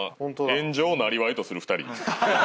炎上をなりわいとする２人です。